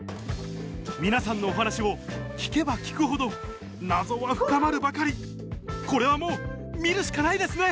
皆さんのお話を聞けば聞くほど謎は深まるばかりこれはもう見るしかないですね！